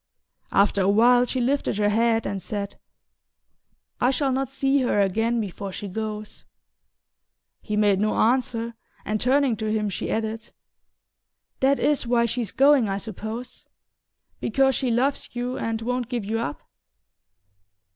After a while she lifted her head and said: "I shall not see her again before she goes." He made no answer, and turning to him she added: "That is why she's going, I suppose? Because she loves you and won't give you up?"